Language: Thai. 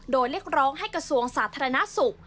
โดยเรียกร้องให้กระทรวงสาธารณสุข